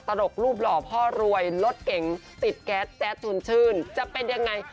ตลกรูปหล่อพ่อรวยรถเก่งติดแก๊สแจ๊ดชวนชื่นจะเป็นยังไง